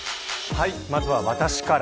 はい、まずは私から。